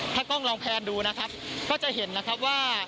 ถ้ากล้องลองแพนดูนะครับก็จะเห็นนะครับว่า